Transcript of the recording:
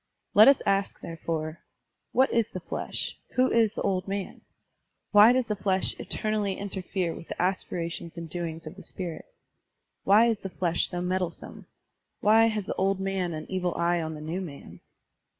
Let us ask, there fore :" What is the flesh ? Who is the ' old man '? Why does the flesh eternally interfere with the aspirations aiid doings of the spirit? Why is the flfesh so meddlesome? Why has the old man an evil eye oh the new man?